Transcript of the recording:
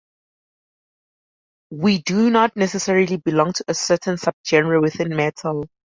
We do not necessarily belong to a certain subgenre within metal.